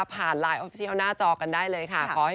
ปฏิหารมีสิ่งแน่นอน